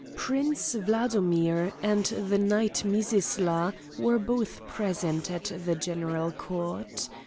Prince Wladomir and the knight Mizisla were both present at the general court.